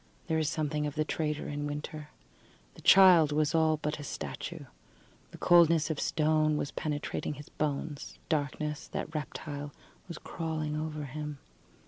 There is something of the traitor in winter. The child was all but a statue. The coldness of stone was penetrating his bones; darkness, that reptile, was crawling over him.